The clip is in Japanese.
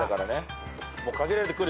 限られてくるよ。